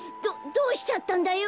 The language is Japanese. どどうしちゃったんだよ。